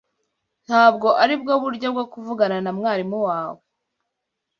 Ntabwo aribwo buryo bwo kuvugana na mwarimu wawe.